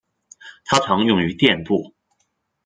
它常用于电镀。